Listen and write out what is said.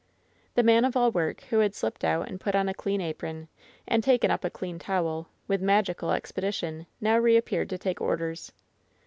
The man of all work, who had slipped out and put on a clean apron, and taken up a clean towel, with magi cal expedition, now reappeared to take orders.